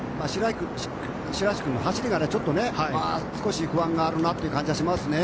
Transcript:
白石君も走りにちょっと不安があるなという感じはしますね。